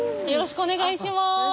よろしくお願いします。